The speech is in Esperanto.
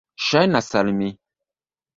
Ŝajnas al mi.